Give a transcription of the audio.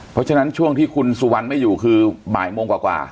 เพราะฉะนั้นช่วงที่คุณสุวรรณไม่อยู่คือบ่ายโมงกว่า